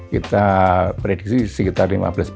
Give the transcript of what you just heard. kita prediksi sekitar lima belas